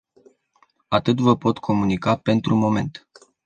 Atât vă pot comunica pentru moment.